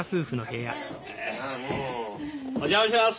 お邪魔しやす！